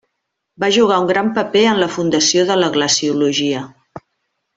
Va jugar un gran paper en la fundació de la glaciologia.